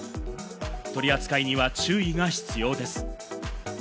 取り扱いには注意が必要です。